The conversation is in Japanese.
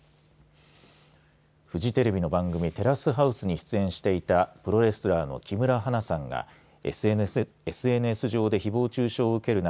フジテレビの番組テラスハウスに出演していたプロレスラーの木村花さんがＳＮＳ上でひぼう中傷を受ける中